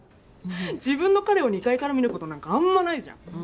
自分の彼を２階から見ることなんかあんまないじゃん。